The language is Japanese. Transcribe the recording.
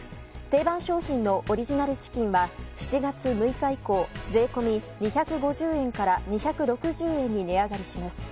定番商品のオリジナルチキンは７月６日以降税込み２５０円から２６０円に値上がりします。